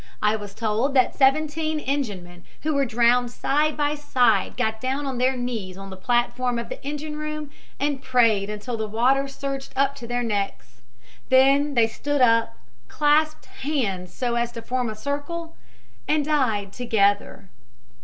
I was told that seventeen enginemen who were drowned side by side got down on their knees on the platform of the engine room and prayed until the water surged up to their necks. Then they stood up, clasped hands so as to form a circle and died together.